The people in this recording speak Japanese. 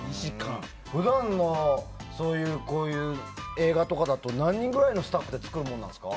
普段のこういう映画とかだと何人くらいのスタッフで作るんですか？